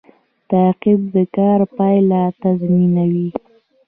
تعقیب د کار پایله تضمینوي